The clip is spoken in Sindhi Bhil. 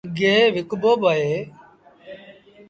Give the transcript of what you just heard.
گيه وڪبو با اهي۔